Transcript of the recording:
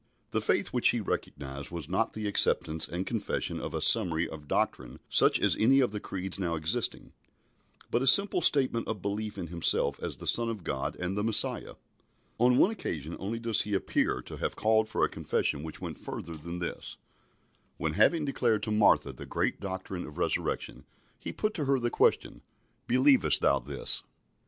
The faith which He recognised was not the acceptance and confession of a summary of doctrine such as any of the Creeds now existing, but a simple statement of belief in Himself as the Son of God and the Messiah. On one occasion only does He appear to have called for a confession which went further than this, when, having declared to Martha the great doctrine of Resurrection, He put to her the question, "Believest thou this?"